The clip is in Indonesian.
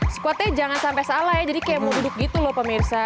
squadnya jangan sampai salah ya jadi kayak mau duduk gitu loh pemirsa